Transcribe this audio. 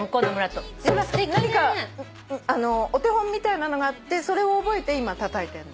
それは何かお手本みたいなのがあってそれを覚えて今たたいてるの？